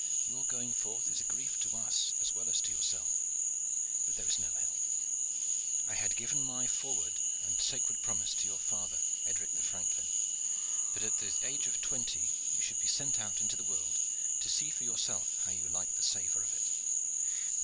Your going forth is a grief to us as well as to yourself. But there is no help. I had given my foreword and sacred promise to your father, Edric the Franklin, that at the age of twenty you should be sent out into the world to see for yourself how you liked the savor of it.